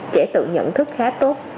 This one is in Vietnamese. trẻ tự nhận thức khá tốt